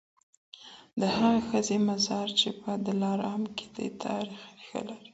د هغه ښځي مزار چي په دلارام کي دی تاریخي ریښه لري.